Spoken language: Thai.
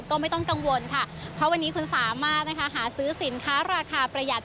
ก็ไม่ต้องกังวลค่ะเพราะวันนี้คุณสามารถหาซื้อสินค้าราคาประหยัด